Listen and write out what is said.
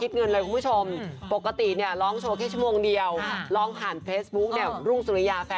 ได้ความถูกได้ความถูก